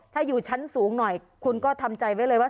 ถ้าอยู่ชั้นสูงหน่อยคุณก็ทำใจไว้เลยว่า